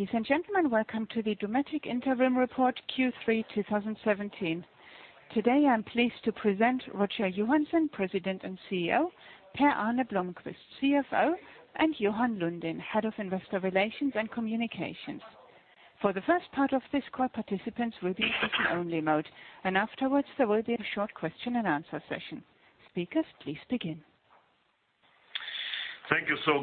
Ladies and gentlemen, welcome to the Dometic Interim Report Q3 2017. Today, I am pleased to present Roger Johansson, President and CEO, Per-Arne Blomquist, CFO, and Johan Lundin, Head of Investor Relations and Communications. For the first part of this call, participants will be in listen-only mode. Afterwards, there will be a short question-and-answer session. Speakers, please begin. Thank you.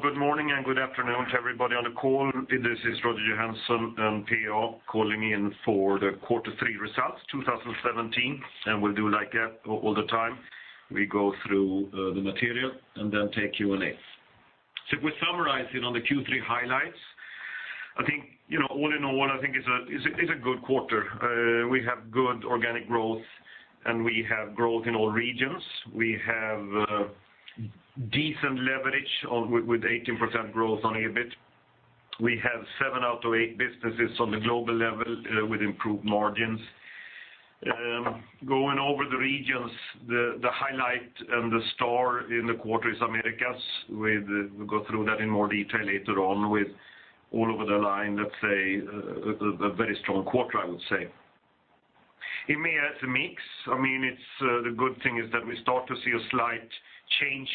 Good morning and good afternoon to everybody on the call. This is Roger Johansson and PA calling in for the Q3 results 2017. We will do like that all the time. We go through the material, then take Q&A. If we summarize it on the Q3 highlights, all in all, I think it is a good quarter. We have good organic growth, and we have growth in all regions. We have decent leverage with 18% growth on EBIT. We have seven out of eight businesses on the global level with improved margins. Going over the regions, the highlight and the star in the quarter is Americas. We will go through that in more detail later on with all over the line, let us say, a very strong quarter, I would say. EMEA, it is a mix. The good thing is that we start to see a slight change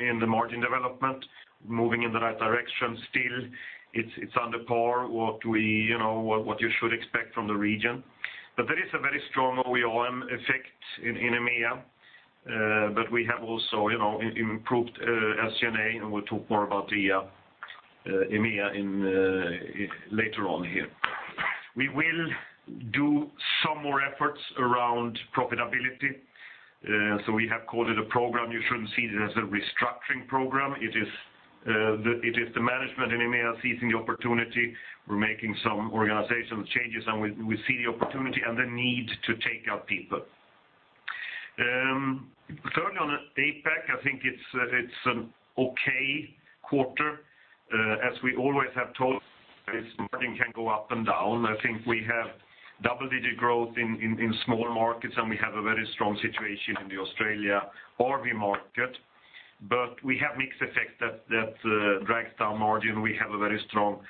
in the margin development moving in the right direction. Still, it is under par what you should expect from the region. There is a very strong OEM effect in EMEA. We have also improved SG&A. We will talk more about the EMEA later on here. We will do some more efforts around profitability. We have called it a program. You should not see it as a restructuring program. It is the management in EMEA seizing the opportunity. We are making some organizational changes. We see the opportunity and the need to take out people. Thirdly, on APAC, I think it is an okay quarter. As we always have told, margin can go up and down. I think we have double-digit growth in small markets, and we have a very strong situation in the Australia RV market. We have mixed effects that drags down margin. We have a very strong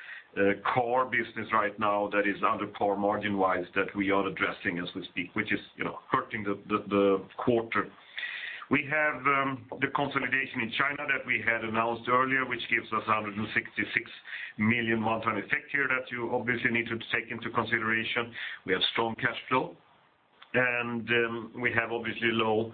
core business right now that is under par margin-wise that we are addressing as we speak, which is hurting the quarter. We have the consolidation in China that we had announced earlier, which gives us 166 million one-time effect here that you obviously need to take into consideration. We have strong cash flow. We have obviously low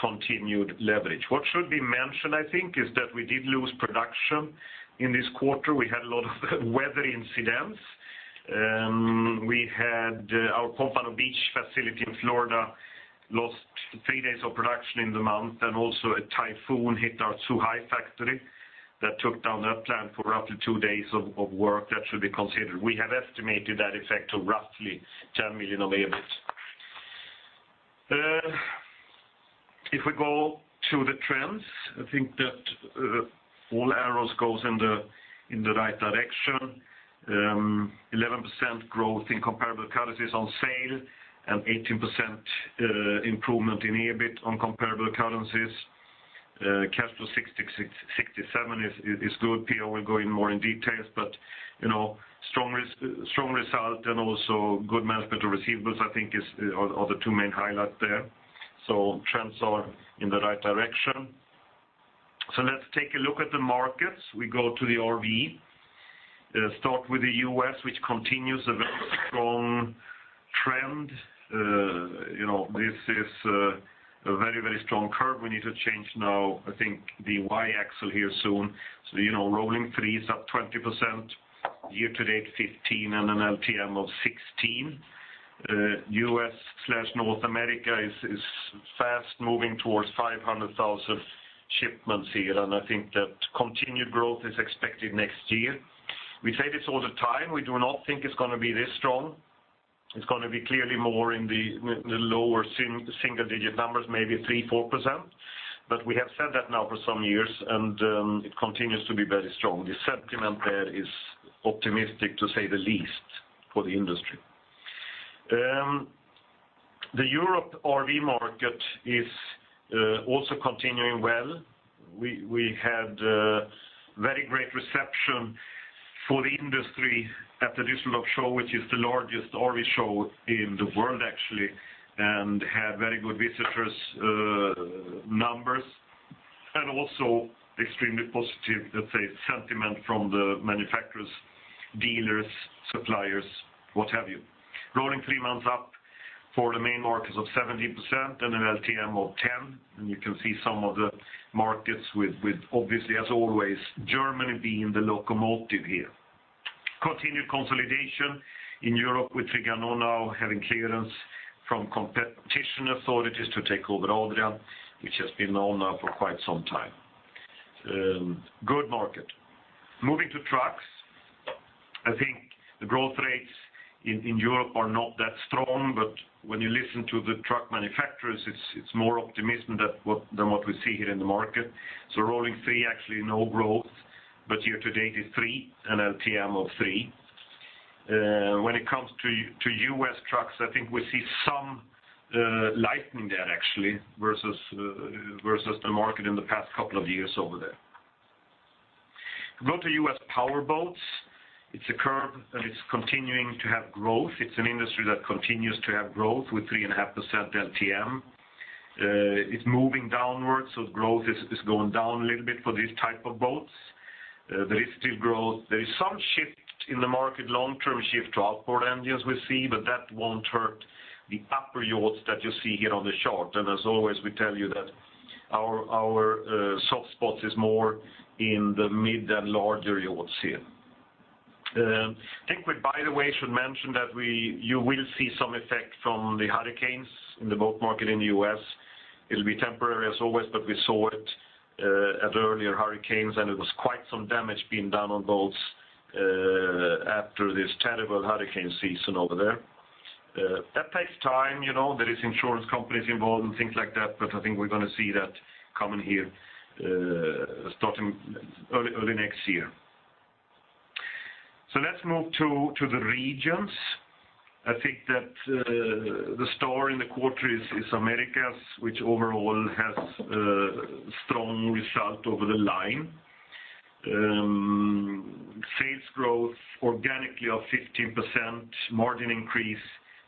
continued leverage. What should be mentioned, I think, is that we did lose production in this quarter. We had a lot of weather incidents. Our Pompano Beach facility in Florida lost three days of production in the month, and also a typhoon hit our Zhuhai factory that took down that plant for roughly two days of work. That should be considered. We have estimated that effect to roughly 10 million of EBIT. If we go to the trends, I think that all arrows go in the right direction. 11% growth in comparable currencies on sale and 18% improvement in EBIT on comparable currencies. Cash flow 67 is good. PA will go in more in detail, but strong result and also good management of receivables, I think are the two main highlights there. Trends are in the right direction. Let's take a look at the markets. We go to the RV. Start with the U.S., which continues a very strong trend. This is a very strong curve. We need to change now, I think the Y-axis here soon. Rolling three is up 20%, year-to-date 15, and an LTM of 16. U.S./North America is fast moving towards 500,000 shipments here, and I think that continued growth is expected next year. We say this all the time. We do not think it's going to be this strong. It's going to be clearly more in the lower single-digit numbers, maybe 3%, 4%. We have said that now for some years, and it continues to be very strong. The sentiment there is optimistic, to say the least, for the industry. The Europe RV market is also continuing well. We had very great reception for the industry at the Caravan Salon Düsseldorf, which is the largest RV show in the world, actually, and had very good visitor numbers, and also extremely positive, let's say, sentiment from the manufacturers, dealers, suppliers, what have you. Rolling three months up for the main markets of 17% and an LTM of 10%. You can see some of the markets with, obviously, as always, Germany being the locomotive here. Continued consolidation in Europe with Trigano now having clearance from competition authorities to take over Adria, which has been known now for quite some time. Good market. Moving to trucks. I think the growth rates in Europe are not that strong, but when you listen to the truck manufacturers, it's more optimism than what we see here in the market. Rolling three, actually no growth, but year-to-date is three, an LTM of three. When it comes to U.S. trucks, I think we see some lightening there actually, versus the market in the past couple of years over there. Go to U.S. powerboats. It's a curve and it's continuing to have growth. It's an industry that continues to have growth with 3.5% LTM. It's moving downwards, so growth is going down a little bit for these type of boats. There is still growth. There is some shift in the market, long-term shift to outboard engines we see, but that won't hurt the upper yachts that you see here on the chart. As always, we tell you that our soft spots is more in the mid and larger yachts here. I think we, by the way, should mention that you will see some effect from the hurricanes in the boat market in the U.S. It'll be temporary as always, but we saw it at earlier hurricanes, and it was quite some damage being done on boats after this terrible hurricane season over there. That takes time, there are insurance companies involved and things like that, but I think we're going to see that coming here, starting early next year. Let's move to the regions. I think that the star in the quarter is Americas, which overall has a strong result over the line. Sales growth organically of 15%, margin increase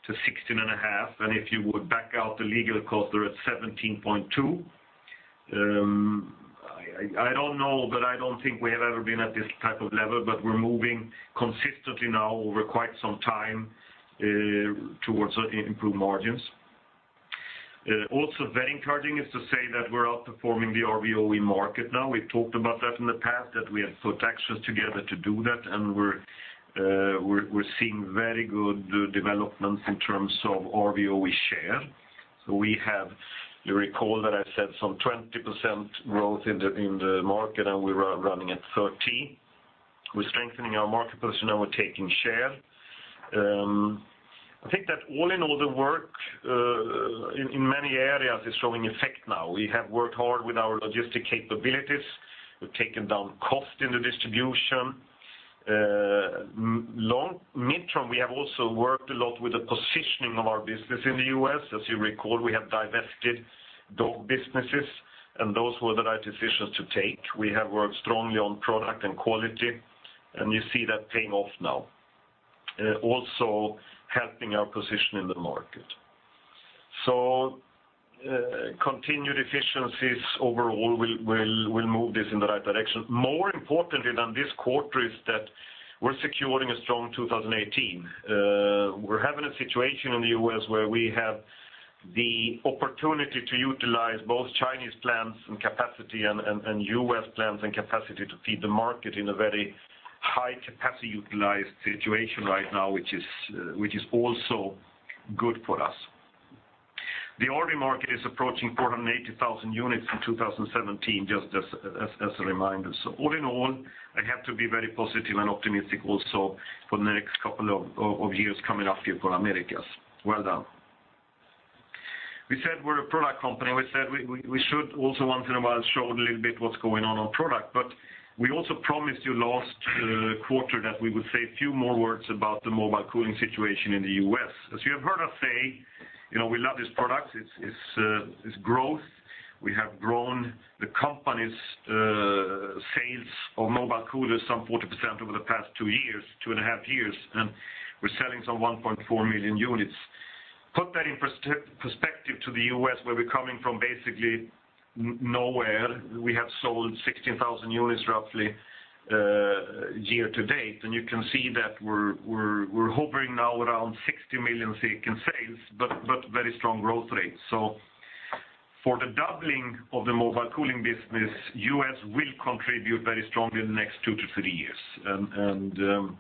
to 16.5%. If you would back out the legal cost, they're at 17.2%. I don't know, but I don't think we have ever been at this type of level, but we're moving consistently now over quite some time towards improved margins. Also very encouraging is to say that we're outperforming the RV OE market now. We've talked about that in the past, that we have put actions together to do that, and we're seeing very good developments in terms of RV OE share. We have, you recall that I said some 20% growth in the market, and we're running at 30%. We're strengthening our market position now. We're taking share. I think that all in all, the work in many areas is showing effect now. We have worked hard with our logistic capabilities. We've taken down cost in the distribution. Midterm, we have also worked a lot with the positioning of our business in the U.S. As you recall, we have divested dog businesses, and those were the right decisions to take. We have worked strongly on product and quality, and you see that paying off now. Also helping our position in the market. Continued efficiencies overall will move this in the right direction. More importantly than this quarter is that we're securing a strong 2018. We're having a situation in the U.S. where we have the opportunity to utilize both Chinese plants and capacity and U.S. plants and capacity to feed the market in a very high capacity utilized situation right now, which is also good for us. The RV market is approaching 480,000 units in 2017, just as a reminder. All in all, I have to be very positive and optimistic also for the next couple of years coming up here for Americas. Well done. We said we're a product company. We said we should also once in a while show a little bit what's going on on product. We also promised you last quarter that we would say a few more words about the mobile cooling situation in the U.S. As you have heard us say, we love this product. It's growth. We have grown the company's sales of mobile coolers some 40% over the past two and a half years, and we're selling some 1.4 million units. Put that in perspective to the U.S., where we're coming from basically nowhere. We have sold 16,000 units roughly year to date, and you can see that we're hovering now around 60 million in sales, very strong growth rate. For the doubling of the mobile cooling business, U.S. will contribute very strongly in the next two to three years.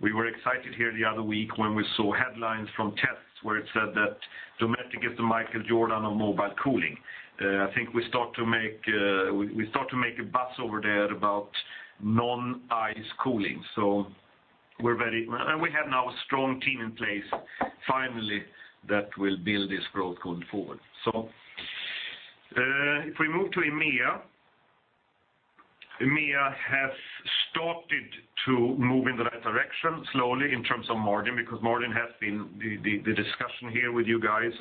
We were excited here the other week when we saw headlines from tests where it said that Dometic is the Michael Jordan of mobile cooling. I think we start to make a buzz over there about non-ice cooling. We have now a strong team in place finally that will build this growth going forward. If we move to EMEA. EMEA has started to move in the right direction slowly in terms of margin, because margin has been the discussion here with you guys.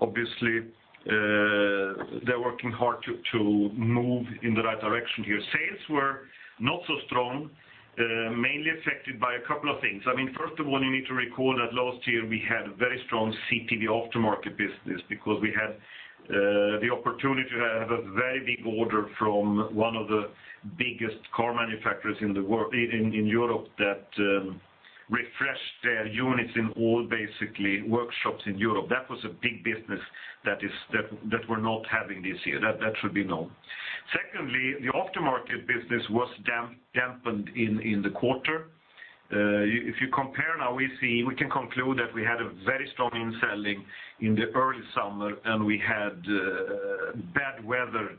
Obviously, they're working hard to move in the right direction here. Sales were not so strong, mainly affected by a couple of things. First of all, you need to recall that last year we had a very strong CPV aftermarket business because we had the opportunity to have a very big order from one of the biggest car manufacturers in Europe that refreshed their units in all, basically, workshops in Europe. That was a big business that we are not having this year. That should be known. Secondly, the aftermarket business was dampened in the quarter. If you compare now, we can conclude that we had a very strong sell-in in the early summer. We had bad weather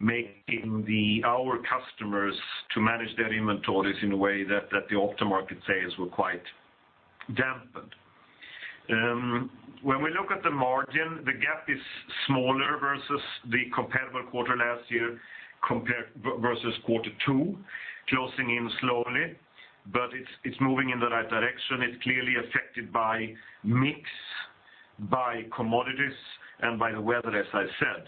making our customers to manage their inventories in a way that the aftermarket sales were quite dampened. When we look at the margin, the gap is smaller versus the comparable quarter last year versus quarter two, closing in slowly, but it is moving in the right direction. It is clearly affected by mix, by commodities, and by the weather, as I said.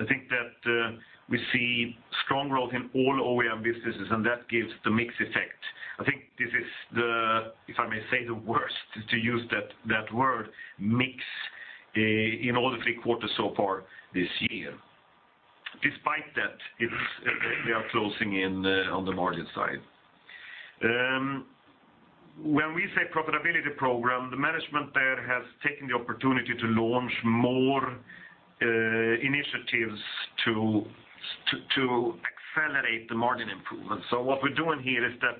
I think that we see strong growth in all OEM businesses. That gives the mix effect. I think this is the, if I may say the worst, to use that word, mix, in all the three quarters so far this year. Despite that, we are closing in on the margin side. When we say Profitability Program, the management there has taken the opportunity to launch more initiatives to accelerate the margin improvement. What we are doing here is that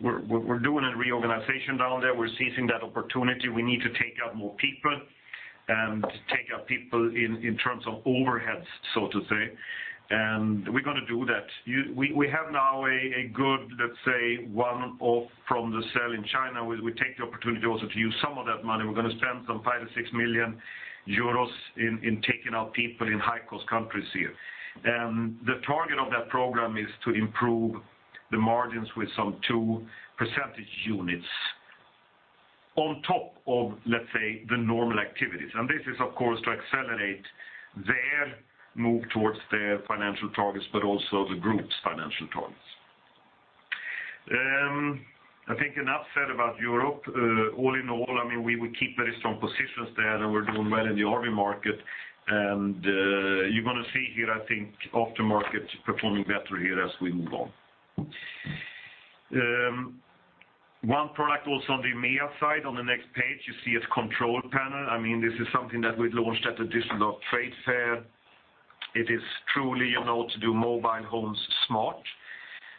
we are doing a reorganization down there. We are seizing that opportunity. We need to take out more people and take out people in terms of overheads, so to say. We are going to do that. We have now a good, let's say, one-off from the sale in China. We take the opportunity also to use some of that money. We are going to spend some 5 million-6 million euros in taking out people in high-cost countries here. The target of that program is to improve the margins with some two percentage units on top of, let's say, the normal activities. This is, of course, to accelerate their move towards their financial targets, but also the group's financial targets. I think enough said about Europe. All in all, we will keep very strong positions there. We are doing well in the RV market. You are going to see here, I think, aftermarket performing better here as we move on. One product also on the EMEA side, on the next page, you see a control panel. This is something that we launched at the Caravan Salon Düsseldorf. It is truly how to do mobile homes smart.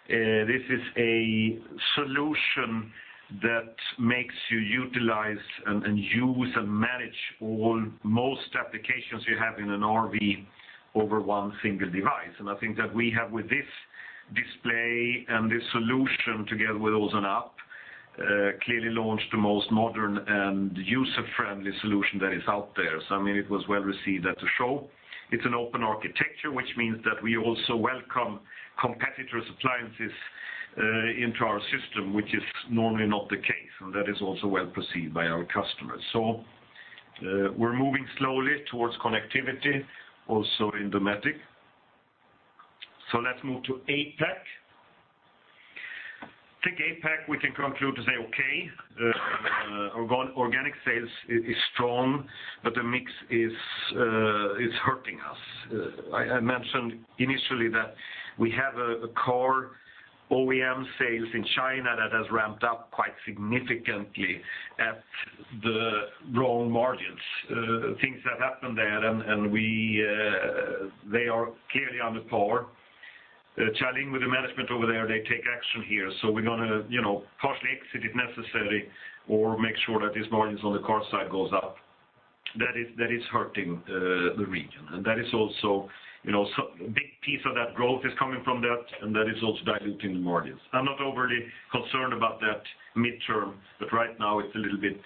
This is a solution that makes you utilize and use and manage all, most applications you have in an RV over one single device. I think that we have with this display and this solution together with also an app, clearly launched the most modern and user-friendly solution that is out there. It was well received at the show. It is an open architecture, which means that we also welcome competitors' appliances into our system, which is normally not the case, and that is also well perceived by our customers. We are moving slowly towards connectivity also in Dometic. Let us move to APAC. I think APAC, we can conclude to say, okay, organic sales is strong, but the mix is hurting us. I mentioned initially that we have a car OEM sales in China that has ramped up quite significantly at the wrong margins. Things have happened there, and they are clearly under par. Chatting with the management over there, they take action here. We're going to partially exit if necessary, or make sure that these margins on the car side goes up. That is hurting the region. A big piece of that growth is coming from that, and that is also diluting the margins. I'm not overly concerned about that midterm, but right now it's a little bit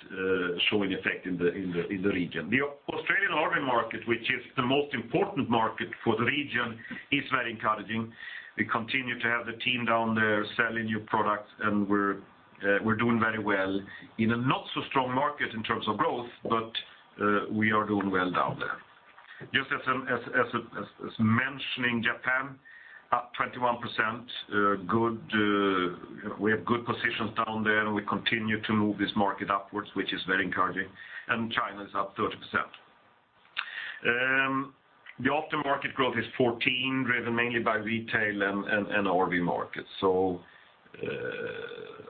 showing effect in the region. The Australian RV market, which is the most important market for the region, is very encouraging. We continue to have the team down there selling new products, we're doing very well in a not-so-strong market in terms of growth, but we are doing well down there. Just as mentioning Japan, up 21%. We have good positions down there, we continue to move this market upwards, which is very encouraging. China is up 30%. The aftermarket growth is 14%, driven mainly by retail and RV markets.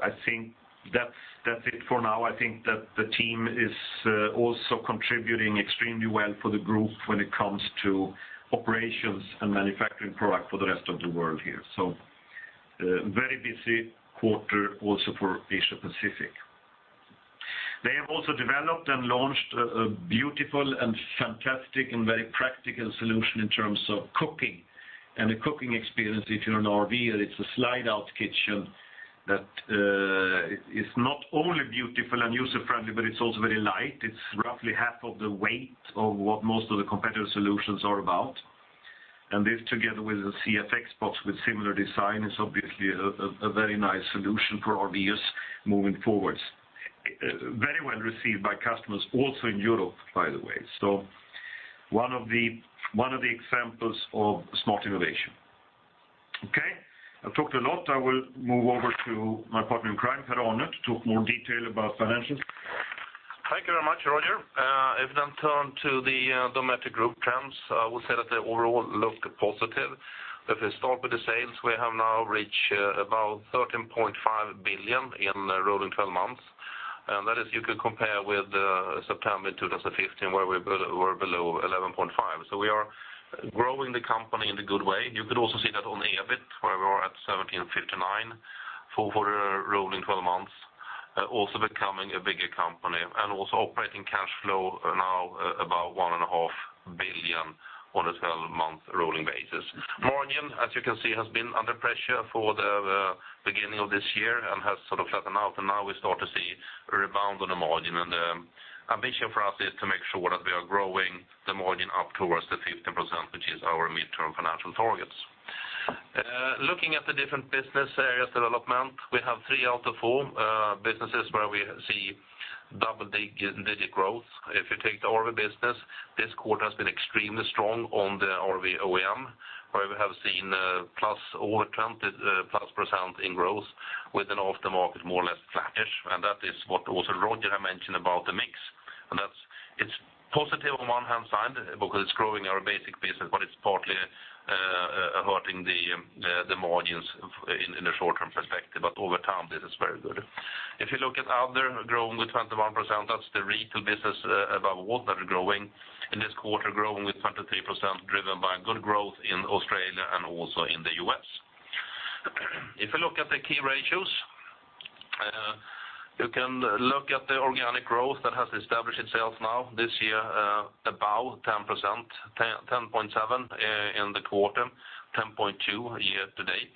I think that's it for now. I think that the team is also contributing extremely well for the group when it comes to operations and manufacturing product for the rest of the world here. Very busy quarter also for Asia Pacific. They have also developed and launched a beautiful and fantastic and very practical solution in terms of cooking and the cooking experience if you're an RVer. It's a slide-out kitchen that is not only beautiful and user-friendly, but it's also very light. It's roughly half of the weight of what most of the competitor solutions are about. This together with the CFX box with similar design is obviously a very nice solution for RVs moving forwards. Very well received by customers also in Europe, by the way. One of the examples of smart innovation. Okay. I've talked a lot. I will move over to my partner in crime, Per-Arne, to talk more detail about financials. Thank you very much, Roger. I turn to the Dometic Group trends, I would say that they overall look positive. We start with the sales, we have now reached about 13.5 billion in rolling 12 months. That is, you can compare with September 2015, where we were below 11.5 billion. We are growing the company in a good way. You could also see that on the EBIT, where we are at 17.59 for rolling 12 months, also becoming a bigger company. Operating cash flow now about one and a half billion on a 12-month rolling basis. Margin, as you can see, has been under pressure for the beginning of this year. Now we start to see a rebound on the margin, and the ambition for us is to make sure that we are growing the margin up towards the 15%, which is our mid-term financial targets. Looking at the different business areas' development, we have three out of four businesses where we see double-digit growth. If you take the RV business, this quarter has been extremely strong on the RV OEM, where we have seen +% in growth with an aftermarket more or less flattish. That is what also Roger mentioned about the mix. It's positive on one hand because it's growing our basic business, but it's partly hurting the margins in the short-term perspective. Over time, this is very good. If you look at Other growing with 21%, that's the retail business above water growing in this quarter, growing with 23%, driven by good growth in Australia and also in the U.S. If you look at the key ratios, you can look at the organic growth that has established itself now this year, about 10%, 10.7 in the quarter, 10.2 year-to-date.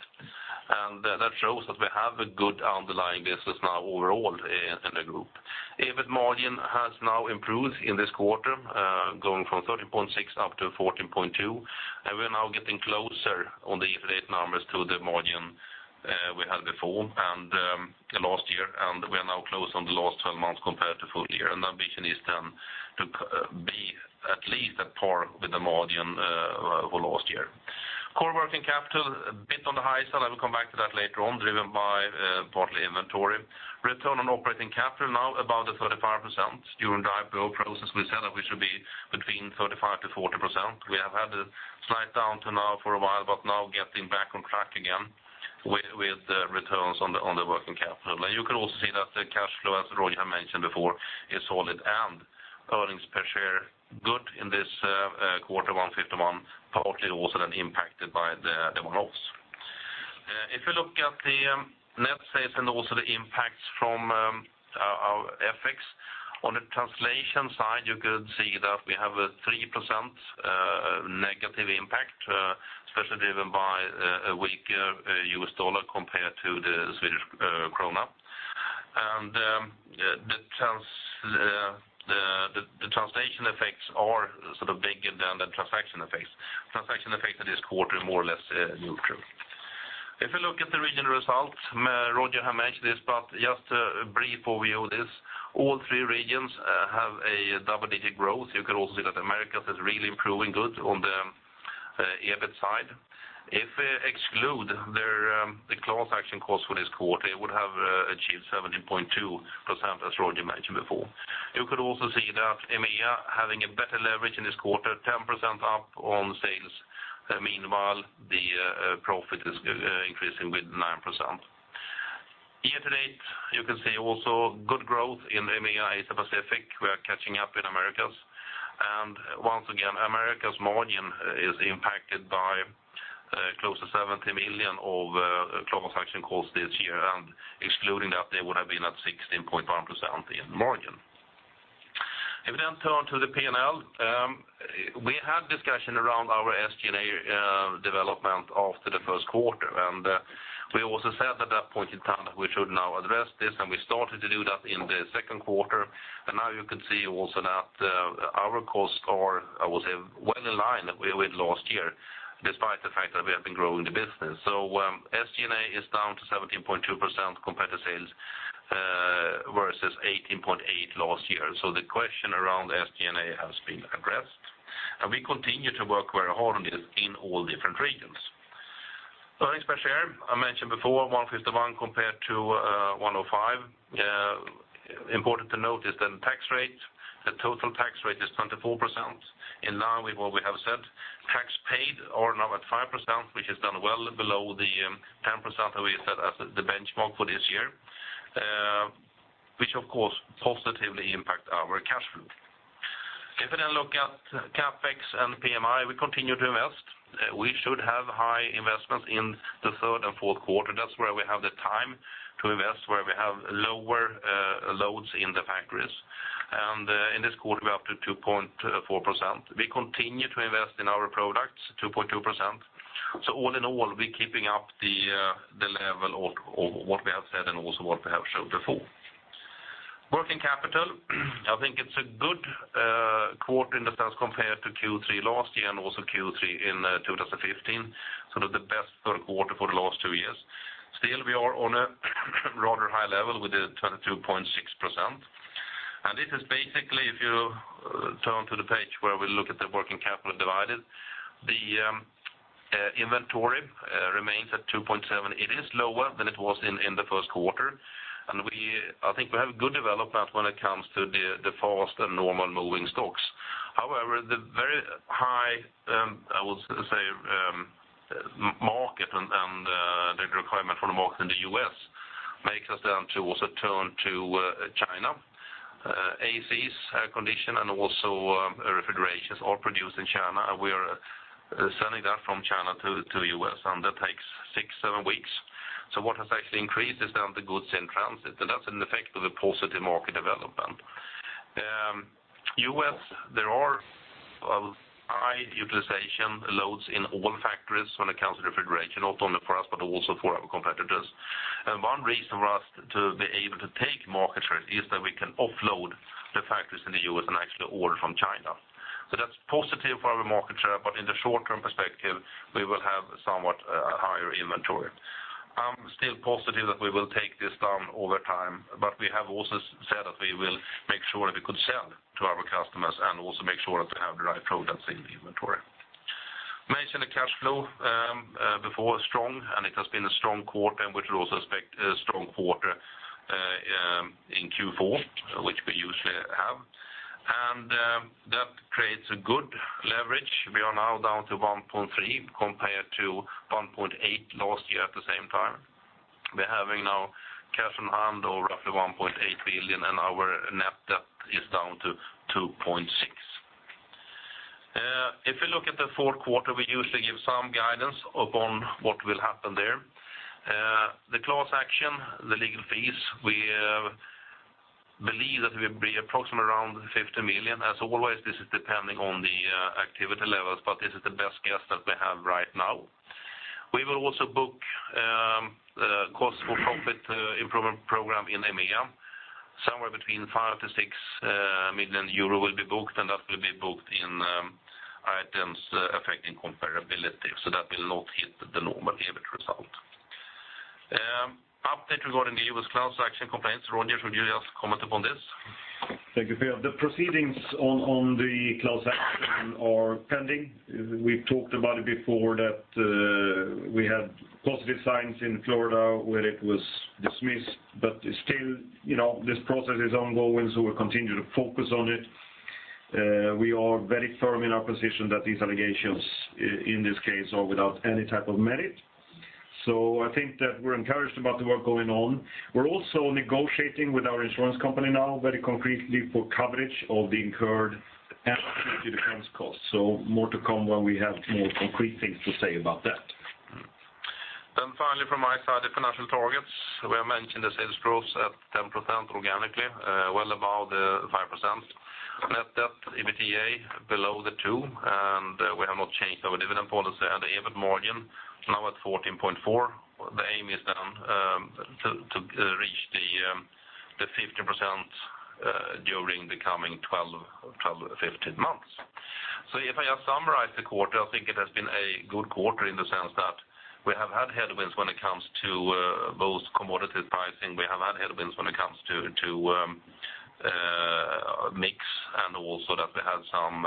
That shows that we have a good underlying business now overall in the group. EBIT margin has now improved in this quarter, going from 13.6 up to 14.2. We're now getting closer on the year-to-date numbers to the margin we had before and last year, and we are now close on the last 12 months compared to full year. Our ambition is then to be at least at par with the margin for last year. Core working capital, a bit on the high side, I will come back to that later on, driven by partly inventory. Return on operating capital now about the 35%. During the IPO process, we said that we should be between 35%-40%. We have had a slight downturn now for a while, but now getting back on track again with the returns on the working capital. You could also see that the cash flow, as Roger mentioned before, is solid and earnings per share good in this quarter, 151, partly also then impacted by the one-offs. If you look at the net sales and also the impacts from our FX, on the translation side, you could see that we have a 3% negative impact, especially driven by a weaker U.S. dollar compared to the Swedish krona. The translation effects are sort of bigger than the transaction effects. Transaction effect of this quarter is more or less neutral. If you look at the regional results, Roger has mentioned this, but just a brief overview of this. All three regions have a double-digit growth. You can also see that Americas is really improving good on the EBIT side. If we exclude the closure action cost for this quarter, it would have achieved 17.2%, as Roger mentioned before. You could also see that EMEA having a better leverage in this quarter, 10% up on sales. Meanwhile, the profit is increasing with 9%. Year-to-date, you can see also good growth in EMEA, Asia Pacific. We are catching up in Americas. Once again, Americas margin is impacted by close to 70 million of closure action costs this year, and excluding that, they would have been at 16.1% in margin. We turn to the P&L. We had discussion around our SG&A development after the first quarter. We said at that point in time that we should now address this. We started to do that in the second quarter. You can see also that our costs are, I would say, well in line with last year, despite the fact that we have been growing the business. SG&A is down to 17.2% compared to sales versus 18.8% last year. The question around SG&A has been addressed. We continue to work very hard on this in all different regions. Earnings per share, I mentioned before, 1.51 compared to 1.05. Important to note is the tax rate. The total tax rate is 24%. In line with what we have said. Tax paid is now at 5%, which is well below the 10% that we set as the benchmark for this year, which of course positively impacts our cash flow. You look at CapEx and PMI. We continue to invest. We should have high investments in the third and fourth quarter. That is where we have the time to invest, where we have lower loads in the factories. In this quarter, we are up to 2.4%. We continue to invest in our products, 2.2%. All in all, we are keeping up the level of what we have said and also what we have showed before. Working capital. I think it is a good quarter in the sense compared to Q3 last year and also Q3 in 2015, sort of the best third quarter for the last two years. Still, we are on a rather high level with the 22.6%. This is basically if you turn to the page where we look at the working capital divided. The inventory remains at 2.7%. It is lower than it was in the first quarter. I think we have good development when it comes to the fast and normal moving stocks. However, the very high, I would say, market and the requirement for the market in the U.S. makes us then to also turn to China. ACs, air conditioning, and also refrigerations all produced in China. We are selling that from China to the U.S., and that takes 6-7 weeks. What has actually increased is then the goods in transit, and that is an effect of a positive market development U.S. There are high utilization loads in all factories when it comes to refrigeration, not only for us, but also for our competitors. One reason for us to be able to take market share is that we can offload the factories in the U.S. and actually order from China. That is positive for our market share, but in the short-term perspective, we will have somewhat higher inventory. I am still positive that we will take this down over time, but we have also said that we will make sure that we could sell to our customers and also make sure that we have the right products in the inventory. Mentioned the cash flow before, strong. It has been a strong quarter. We could also expect a strong quarter in Q4, which we usually have. That creates a good leverage. We are now down to 1.3x compared to 1.8x last year at the same time. We're having now cash in hand of roughly 1.8 billion, and our net debt is down to 2.6 billion. If you look at the Q4, we usually give some guidance upon what will happen there. The class action, the legal fees, we believe that will be approximately around 50 million. As always, this is depending on the activity levels, but this is the best guess that we have right now. We will also book cost for profit improvement program in EMEA. Somewhere between 5 million-6 million euro will be booked, and that will be booked in items affecting comparability, so that will not hit the normal EBIT result. Update regarding the U.S. class action complaints, Roger, would you just comment upon this? Thank you, Per. The proceedings on the class action are pending. We've talked about it before that we had positive signs in Florida where it was dismissed, but still this process is ongoing, so we continue to focus on it. We are very firm in our position that these allegations, in this case, are without any type of merit. I think that we're encouraged about the work going on. We're also negotiating with our insurance company now very concretely for coverage of the incurred defense costs. More to come when we have more concrete things to say about that. Finally, from my side, the financial targets, we are mentioning the sales growth at 10% organically, well above the 5%. Net debt, EBITDA below the 2, and we have not changed our dividend policy and the EBIT margin now at 14.4%. The aim is to reach the 50% during the coming 12-15 months. If I summarize the quarter, I think it has been a good quarter in the sense that we have had headwinds when it comes to both commodity pricing, we have had headwinds when it comes to mix, and also that we had some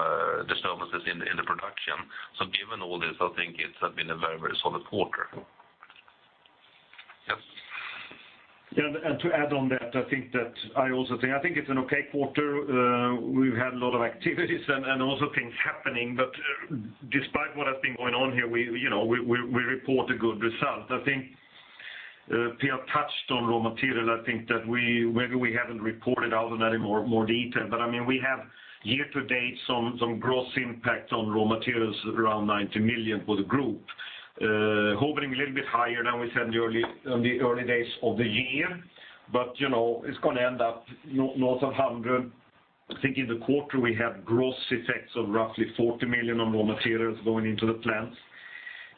disturbances in the production. Given all this, I think it has been a very solid quarter. Yes. To add on that, I also think it's an okay quarter. We've had a lot of activities and also things happening, but despite what has been going on here, we report a good result. I think Per touched on raw material. I think that maybe we haven't reported out on that in more detail, but we have year to date, some gross impact on raw materials, around 90 million for the group. Hoping a little bit higher than we had in the early days of the year. It's going to end up north of 100 million. I think in the quarter, we have gross effects of roughly 40 million on raw materials going into the plants.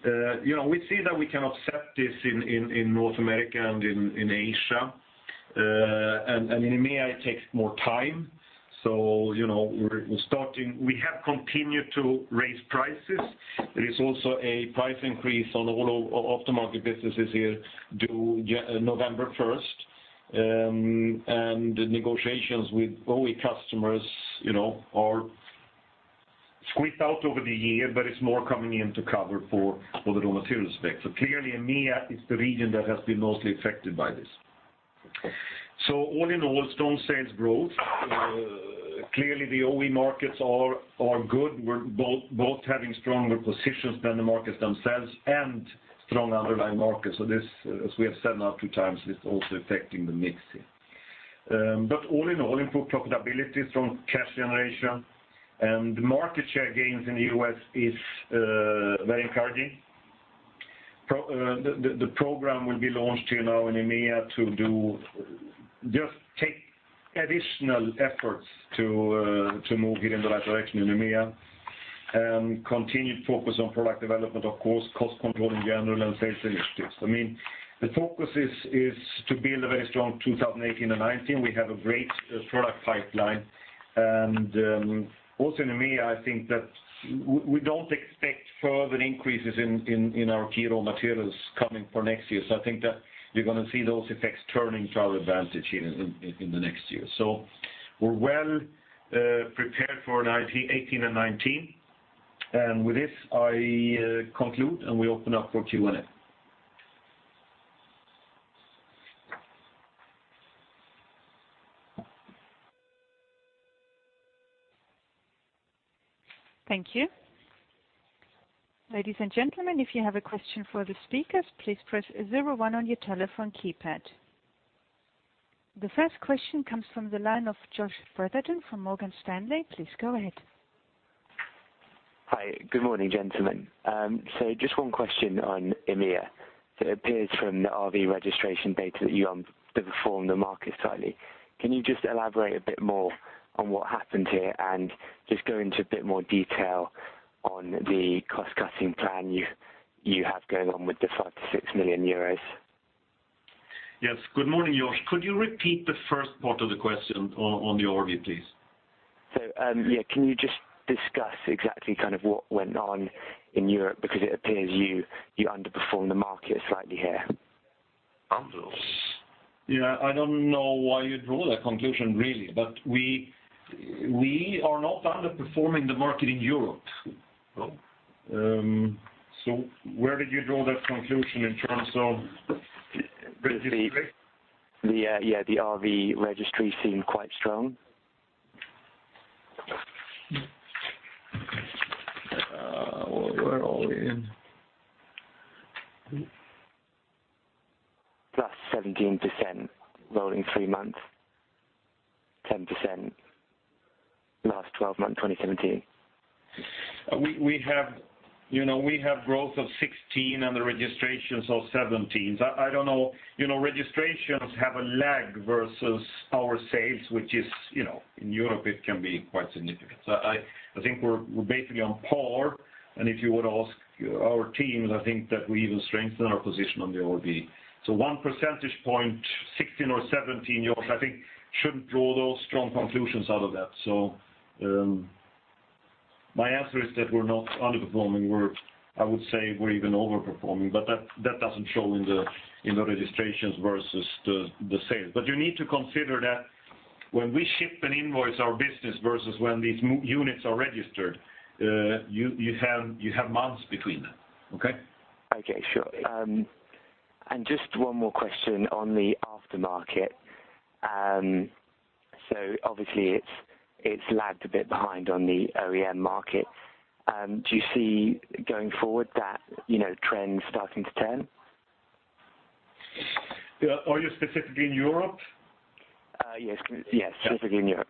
We see that we can offset this in North America and in Asia, and in EMEA, it takes more time. We have continued to raise prices. There is also a price increase on all after-market businesses here due November 1st, negotiations with OE customers are squeezed out over the year, it's more coming in to cover for the raw material aspect. Clearly, EMEA is the region that has been mostly affected by this. All in all, strong sales growth. Clearly, the OE markets are good. We're both having stronger positions than the markets themselves and strong underlying markets. This, as we have said now two times, is also affecting the mix here. All in all, improved profitability, strong cash generation, and market share gains in the U.S. is very encouraging. The program will be launched in EMEA to just take additional efforts to move here in the right direction in EMEA, and continued focus on product development, of course, cost control in general, and sales initiatives. The focus is to build a very strong 2018 and 2019. We have a great product pipeline. Also in EMEA, I think that we don't expect further increases in our key raw materials coming for next year. I think that we're going to see those effects turning to our advantage in the next year. We're well prepared for 2018 and 2019. With this, I conclude, and we open up for Q&A. Thank you. Ladies and gentlemen, if you have a question for the speakers, please press 01 on your telephone keypad. The first question comes from the line of Josh Brotherton from Morgan Stanley. Please go ahead. Hi, good morning, gentlemen. Just one question on EMEA. It appears from the RV registration data that you underperformed the market slightly. Can you just elaborate a bit more on what happened here and just go into a bit more detail on the cost-cutting plan you have going on with the 5 million-6 million euros? Yes. Good morning, Josh. Could you repeat the first part of the question on the RV, please? Yeah. Can you just discuss exactly what went on in Europe? Because it appears you underperformed the market slightly here. Underperformed. I don't know why you draw that conclusion, really, but we are not underperforming the market in Europe. Where did you draw that conclusion in terms of registration? Yeah, the RV registry seemed quite strong. Where are we? Plus 17% rolling three months, 10% last 12 months, 2017. We have growth of 16 on the registrations of 17. I don't know. Registrations have a lag versus our sales, which in Europe it can be quite significant. I think we're basically on par, and if you were to ask our teams, I think that we even strengthen our position on the RV. One percentage point, 16 or 17, Josh, I think shouldn't draw those strong conclusions out of that. My answer is that we're not underperforming. I would say we're even over-performing, but that doesn't show in the registrations versus the sales. You need to consider that when we ship and invoice our business versus when these units are registered, you have months between them. Okay? Okay, sure. Just one more question on the aftermarket. Obviously it's lagged a bit behind on the OEM market. Do you see going forward that trend starting to turn? Are you specifically in Europe? Yes. Specifically in Europe.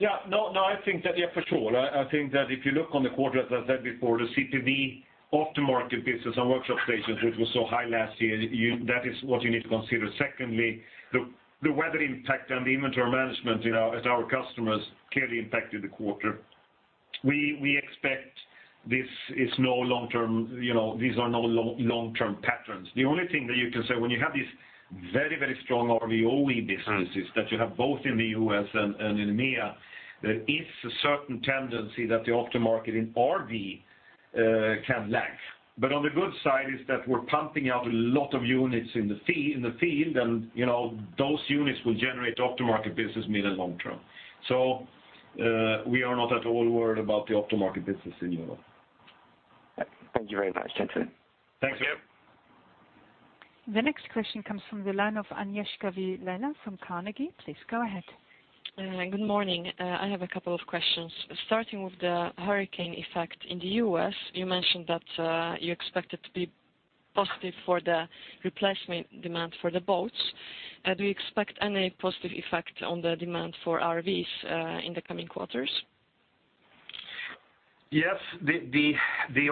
No, I think that, for sure. I think that if you look on the quarter, as I said before, the CPV aftermarket business and workshop stations, which was so high last year, that is what you need to consider. Secondly, the weather impact on the inventory management at our customers clearly impacted the quarter. We expect these are no long-term patterns. The only thing that you can say, when you have these very strong RV OE businesses that you have both in the U.S. and in EMEA, there is a certain tendency that the aftermarket in RV can lag. On the good side is that we're pumping out a lot of units in the field, and those units will generate aftermarket business mid and long term. We are not at all worried about the aftermarket business in Europe. Thank you very much, gentlemen. Thanks. Thank you. The next question comes from the line of Agnieszka Vilela from Carnegie. Please go ahead. Good morning. I have a couple of questions. Starting with the hurricane effect in the U.S., you mentioned that you expect it to be positive for the replacement demand for the boats. Do you expect any positive effect on the demand for RVs in the coming quarters? Yes, the industry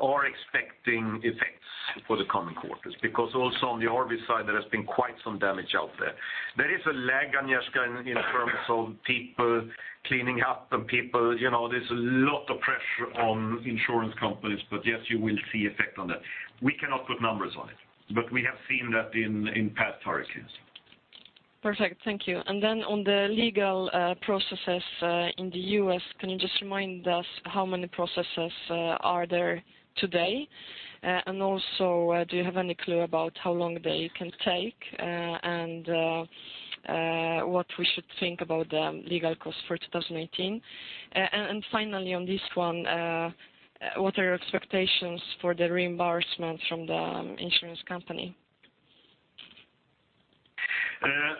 are expecting effects for the coming quarters because also on the RV side, there has been quite some damage out there. There is a lag, Agnieszka, in terms of people cleaning up. There's a lot of pressure on insurance companies, but yes, you will see effect on that. We cannot put numbers on it, but we have seen that in past hurricanes. Perfect. Thank you. On the legal processes in the U.S., can you just remind us how many processes are there today? Do you have any clue about how long they can take, and what we should think about the legal cost for 2018? Finally, on this one, what are your expectations for the reimbursement from the insurance company?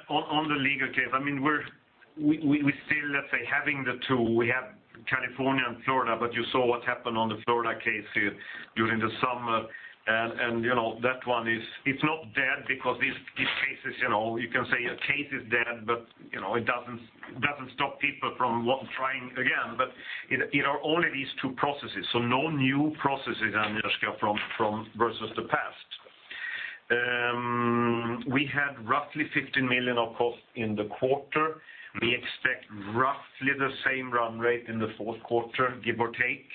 On the legal case, we still, let's say, having the two. We have California and Florida, but you saw what happened on the Florida case during the summer. That one is not dead because these cases, you can say a case is dead, but it doesn't stop people from trying again. There are only these two processes, so no new processes, Agnieszka, versus the past. We had roughly 15 million of cost in the quarter. We expect roughly the same run rate in the fourth quarter, give or take.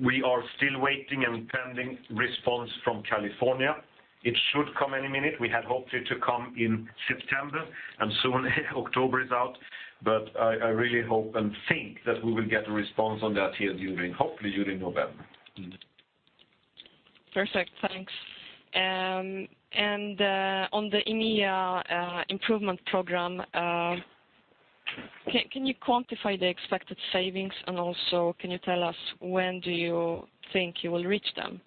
We are still waiting and pending response from California. It should come any minute. We had hoped it to come in September, soon October is out, but I really hope and think that we will get a response on that here during, hopefully, during November. Perfect. Thanks. On the EMEA improvement program, can you quantify the expected savings? Can you tell us when do you think you will reach them?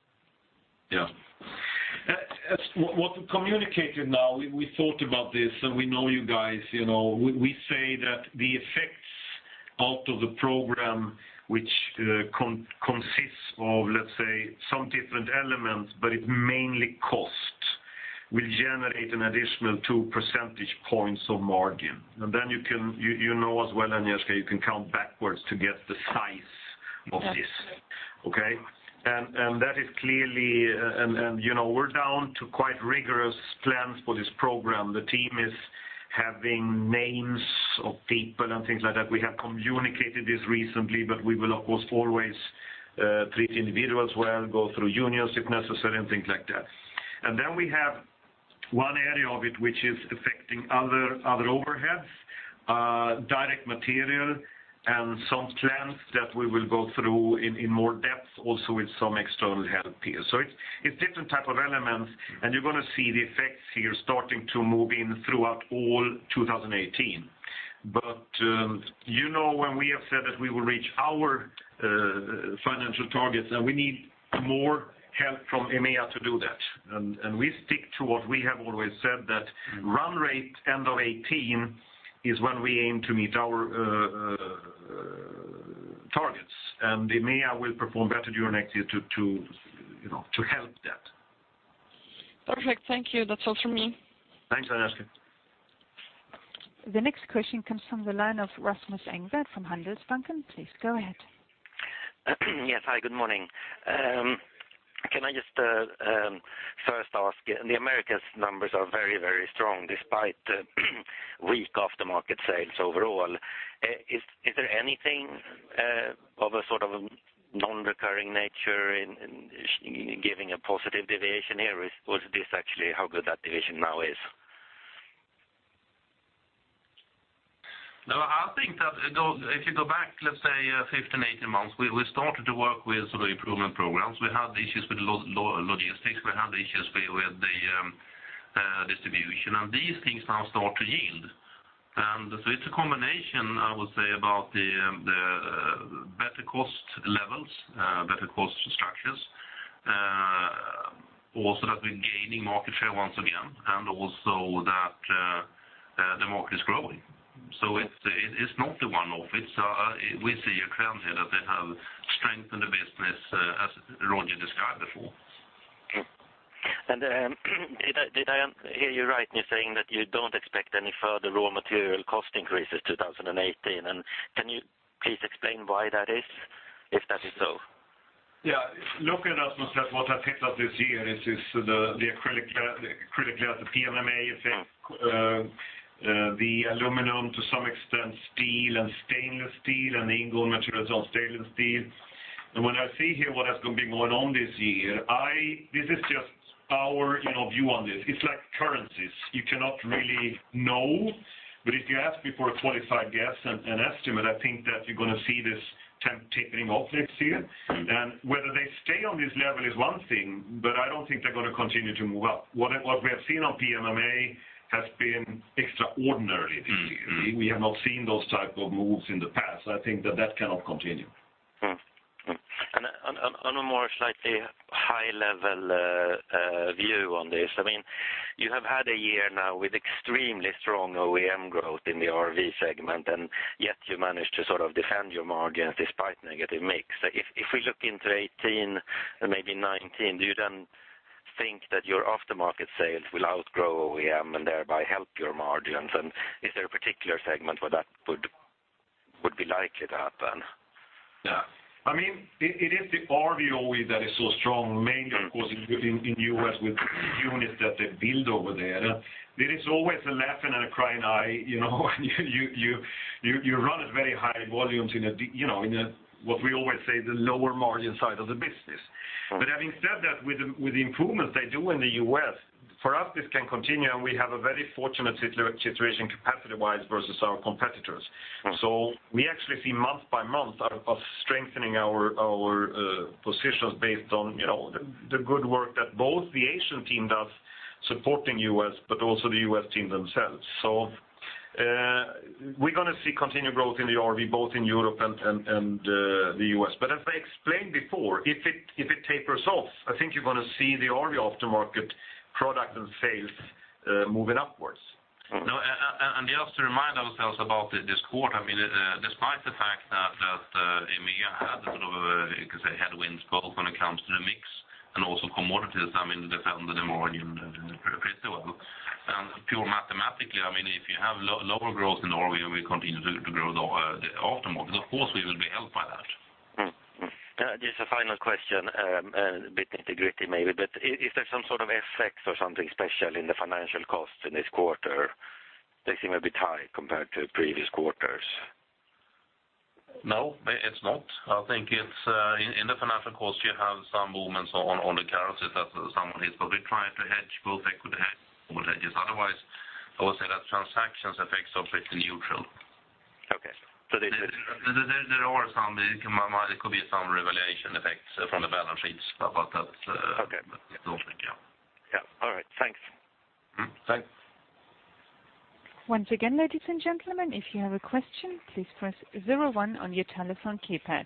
What we communicated now, we thought about this and we know you guys. We say that the effects out of the program, which consists of, let's say, some different elements, but it's mainly cost will generate an additional two percentage points of margin. Then you know as well, Agnieszka, you can count backwards to get the size of this. Absolutely. Okay. We're down to quite rigorous plans for this program. The team is having names of people and things like that. We have communicated this recently, but we will, of course, always treat individuals well, go through unions if necessary and things like that. Then we have one area of it which is affecting other overheads, direct material, and some plans that we will go through in more depth also with some external help here. It's different type of elements, and you're going to see the effects here starting to move in throughout all 2018. When we have said that we will reach our financial targets, we need more help from EMEA to do that. We stick to what we have always said that run rate end of 2018 is when we aim to meet our targets. EMEA will perform better during next year to help that. Perfect. Thank you. That's all from me. Thanks, Agnieszka. The next question comes from the line of Rasmus Engberg from Handelsbanken. Please go ahead. Yes, hi, good morning. Can I just first ask, the Americas numbers are very strong despite the weak aftermarket sales overall. Is there anything of a sort of non-recurring nature in giving a positive deviation here, or is this actually how good that division now is? No, I think that if you go back, let's say, 15, 18 months, we started to work with sort of improvement programs. We had issues with logistics, we had issues with the distribution, and these things now start to yield. It's a combination, I would say, about the better cost levels, better cost structures. Also that we're gaining market share once again, and also that the market is growing. It's not the one-off. We see a trend here that they have strengthened the business as Roger described before. Okay. Did I hear you right in you saying that you don't expect any further raw material cost increases 2018? Can you please explain why that is, if that is so? Look, Rasmus, what I picked up this year is the acrylic glass, the PMMA effect, the aluminum to some extent, steel and stainless steel, and the ingots materials of stainless steel. When I see here what has been going on this year, this is just our view on this. It's like currencies. You cannot really know, but if you ask me for a qualified guess and an estimate, I think that you're going to see this tapering off this year. Whether they stay on this level is one thing, but I don't think they're going to continue to move up. What we have seen on PMMA has been extraordinarily this year. We have not seen those type of moves in the past. I think that that cannot continue. On a more slightly high-level view on this, you have had a year now with extremely strong OEM growth in the RV segment, and yet you managed to sort of defend your margins despite negative mix. If we look into 2018 and maybe 2019, do you then think that your aftermarket sales will outgrow OEM and thereby help your margins? Is there a particular segment where that would be likely to happen? Yeah. It is the RV OE that is so strong, mainly, of course, in U.S. with the units that they build over there. There is always a laughing and a crying eye. You run at very high volumes in what we always say, the lower margin side of the business. Okay. Having said that, with the improvements they do in the U.S., for us, this can continue, and we have a very fortunate situation capacity-wise versus our competitors. Okay. We actually see month by month of strengthening our positions based on the good work that both the Asian team does supporting U.S., but also the U.S. team themselves. We're going to see continued growth in the RV, both in Europe and the U.S. As I explained before, if it tapers off, I think you're going to see the RV aftermarket product and sales moving upwards. Just to remind ourselves about this quarter, despite the fact that EMEA had a sort of a, you could say, headwinds both when it comes to the mix and also commodities, they found that the margin pretty well. Pure mathematically, if you have lower growth in RV and we continue to grow the aftermarket, of course, we will be helped by that. Just a final question, a bit nitty-gritty maybe, but is there some sort of effects or something special in the financial costs in this quarter? They seem a bit high compared to previous quarters. No. It's not. I think in the financial costs, you have some movements on the currencies that some of it, but we try to hedge what we could hedge. Otherwise, I would say that transactions effects are pretty neutral. Okay. There are some, it could be some revaluation effects from the balance sheets. Okay I don't think, yeah. Yeah, all right. Thanks. Thanks. Once again, ladies and gentlemen, if you have a question, please press 01 on your telephone keypad.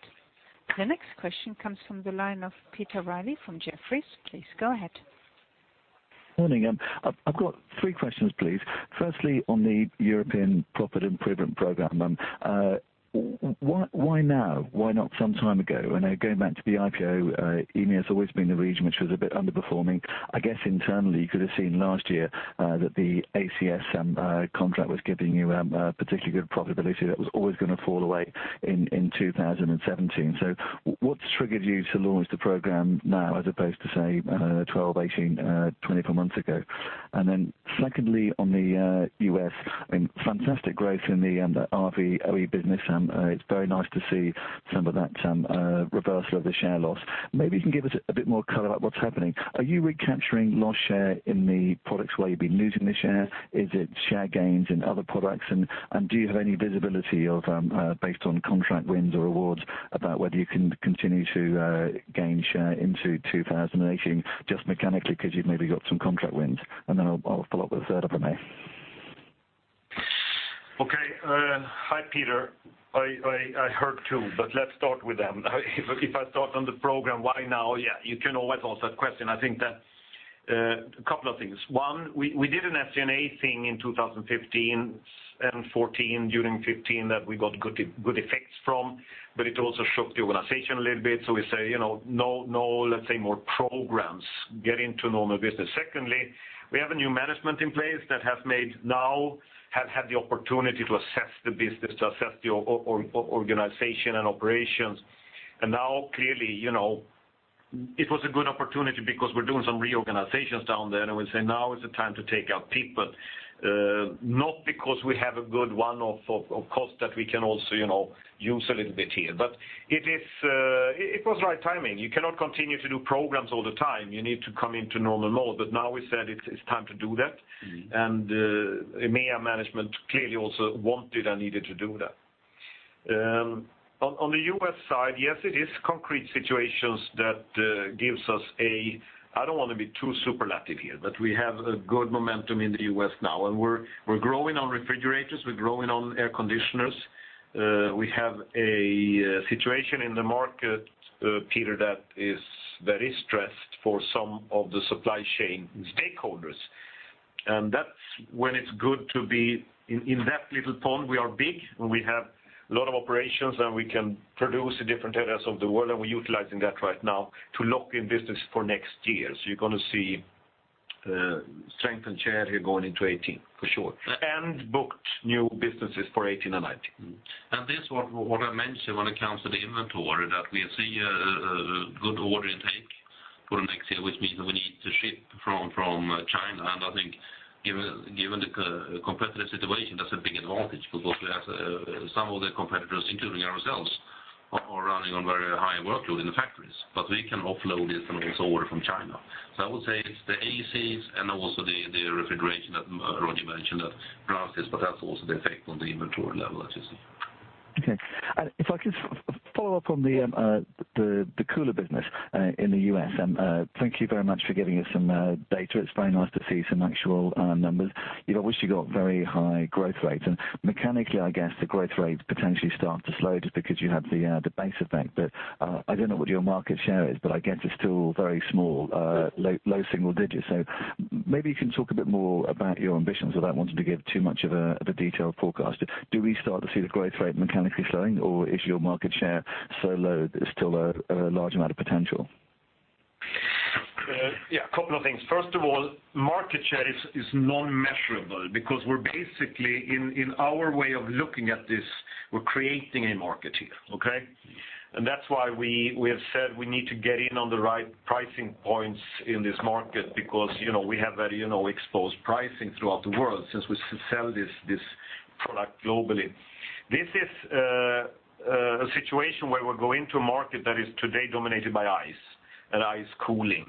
The next question comes from the line of Peter Reilly from Jefferies. Please go ahead. Morning. I've got three questions, please. Firstly, on the European profit improvement program, why now? Why not some time ago? I know, going back to the IPO, EMEA has always been the region which was a bit underperforming. I guess internally, you could have seen last year that the ACs contract was giving you particularly good profitability that was always going to fall away in 2017. What's triggered you to launch the program now, as opposed to, say, 12, 18, 24 months ago? Secondly, on the U.S., fantastic growth in the RV OE business. It's very nice to see some of that reversal of the share loss. Maybe you can give us a bit more color about what's happening. Are you recapturing lost share in the products where you've been losing the share? Is it share gains in other products? Do you have any visibility based on contract wins or awards, about whether you can continue to gain share into 2018, just mechanically because you've maybe got some contract wins? Then I'll follow up with a third one, maybe. Okay. Hi, Peter. I heard two, let's start with them. If I start on the program, why now? Yeah, you can always ask that question. I think that a couple of things. One, we did an SG&A thing in 2015 and 2014, during 2015, that we got good effects from, it also shook the organization a little bit. We say, no, let's say, more programs, get into normal business. Secondly, we have a new management in place that have had the opportunity to assess the business, to assess the organization and operations. Now, clearly, it was a good opportunity because we're doing some reorganizations down there, and we say now is the time to take out people. Not because we have a good one-off of cost that we can also use a little bit here. It was the right timing. You cannot continue to do programs all the time. You need to come into normal mode. Now we said it's time to do that. EMEA management clearly also wanted and needed to do that. On the U.S. side, yes, it is concrete situations that gives us. I don't want to be too superlative here, we have a good momentum in the U.S. now, and we're growing on refrigerators, we're growing on air conditioners. We have a situation in the market, Peter, that is stressed for some of the supply chain stakeholders. That's when it's good to be in that little pond. We are big, and we have a lot of operations, and we can produce in different areas of the world, and we're utilizing that right now to lock in business for next year. You're going to see strengthened share here going into 2018, for sure, and booked new businesses for 2018 and 2019. This what I mentioned when it comes to the inventory, that we see a good order intake for next year, which means we need to ship from China. I think given the competitive situation, that's a big advantage because we have some of the competitors, including ourselves, are running on very high workload in the factories, we can offload this and also order from China. I would say it's the ACs and also the refrigeration that Roger mentioned, that drives this. That's also the effect on the inventory level that you see. Okay. If I could follow up on the cooler business in the U.S. Thank you very much for giving us some data. It's very nice to see some actual numbers. I wish you got very high growth rates, mechanically, I guess the growth rates potentially start to slow just because you had the base effect. I don't know what your market share is, but I guess it's still very small, low single digits. Maybe you can talk a bit more about your ambitions without wanting to give too much of a detailed forecast. Do we start to see the growth rate mechanically slowing, or is your market share so low there's still a large amount of potential? Yeah, a couple of things. First of all, market share is non-measurable because we're basically, in our way of looking at this, we're creating a market here. Okay? That's why we have said we need to get in on the right pricing points in this market because, we have very exposed pricing throughout the world, since we sell this product globally. This is a situation where we're going to a market that is today dominated by ice and ice cooling.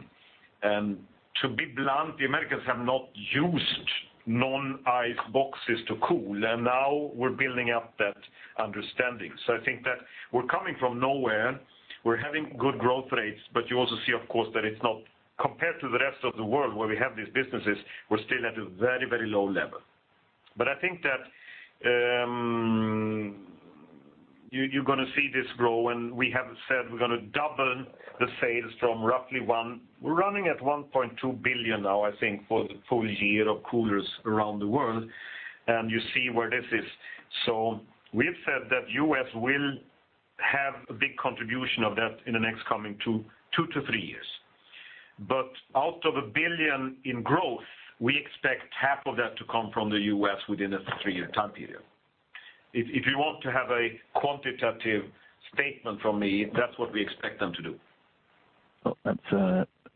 To be blunt, the Americans have not used non-ice boxes to cool, and now we're building up that understanding. I think that we're coming from nowhere. We're having good growth rates, but you also see, of course, that it's not compared to the rest of the world, where we have these businesses, we're still at a very low level. I think that you're going to see this grow, and we have said we're going to double the sales from roughly one. We're running at 1.2 billion now, I think, for the full year of coolers around the world, and you see where this is. We've said that U.S. will have a big contribution of that in the next coming 2-3 years. Out of 1 billion in growth, we expect half of that to come from the U.S. within a 3-year time period. If you want to have a quantitative statement from me, that's what we expect them to do. Well,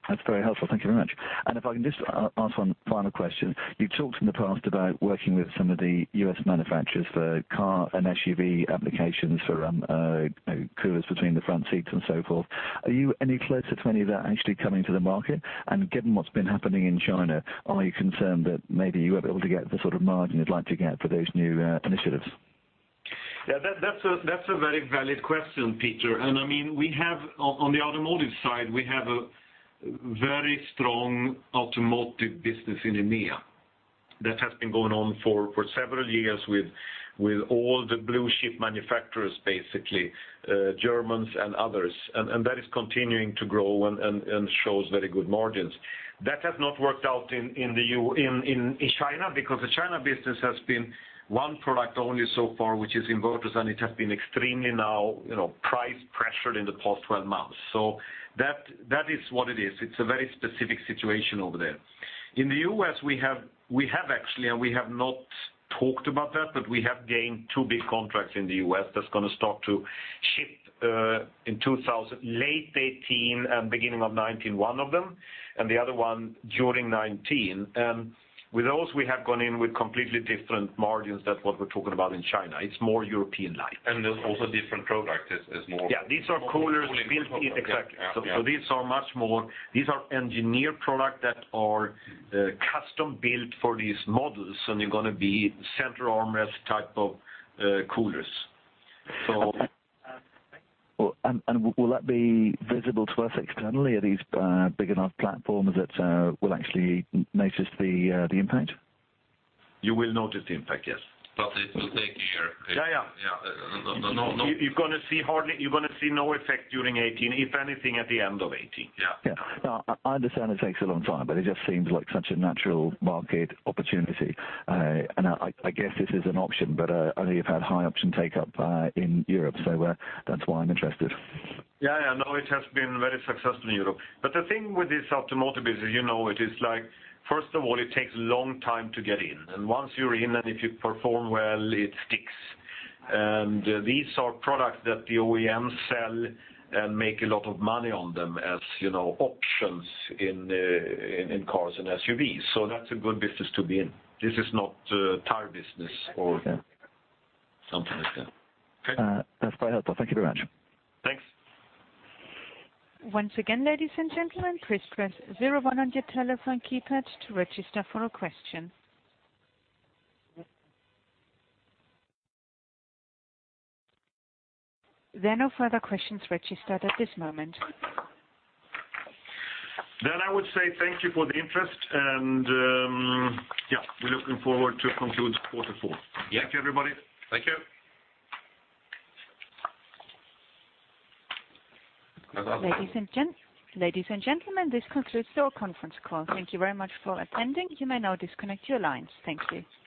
that's very helpful. Thank you very much. If I can just ask one final question. You talked in the past about working with some of the U.S. manufacturers for car and SUV applications for coolers between the front seats and so forth. Are you any closer to any of that actually coming to the market? Given what's been happening in China, are you concerned that maybe you won't be able to get the sort of margin you'd like to get for those new initiatives? Yeah, that's a very valid question, Peter. I mean, on the automotive side, we have a very strong automotive business in EMEA. That has been going on for several years with all the blue-chip manufacturers, basically, Germans and others. That is continuing to grow and shows very good margins. That has not worked out in China, because the China business has been one product only so far, which is inverters, and it has been extremely price-pressured in the past 12 months. That is what it is. It's a very specific situation over there. In the U.S., we have actually, and we have not talked about that, but we have gained two big contracts in the U.S. that's going to start to ship in late 2018 and beginning of 2019, one of them, and the other one during 2019. With those, we have gone in with completely different margins than what we're talking about in China. It's more European-like. There's also different product. Yeah, these are coolers. Exactly. Yeah. These are engineered product that are custom-built for these models, and they're going to be center armrest type of coolers. Will that be visible to us externally? Are these big enough platforms that we'll actually notice the impact? You will notice the impact, yes. It will take a year. Yeah. Yeah. You're going to see no effect during 2018. If anything, at the end of 2018. Yeah. Yeah. No, I understand it takes a long time, but it just seems like such a natural market opportunity. I guess this is an option, I know you've had high option take-up in Europe, that's why I'm interested. Yeah. No, it has been very successful in Europe. The thing with this automotive business, it is like, first of all, it takes a long time to get in. Once you're in and if you perform well, it sticks. These are products that the OEMs sell and make a lot of money on them as options in cars and SUVs. That's a good business to be in. This is not tire business or something like that. Okay. That's very helpful. Thank you very much. Thanks. Once again, ladies and gentlemen, press zero one on your telephone keypad to register for a question. There are no further questions registered at this moment. I would say thank you for the interest. We're looking forward to conclude quarter four. Yeah. Thank you, everybody. Thank you. Ladies and gentlemen, this concludes our conference call. Thank you very much for attending. You may now disconnect your lines. Thank you.